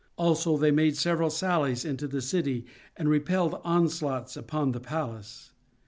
Also they made several sallies into the city and repelled onslaughts upon the palace.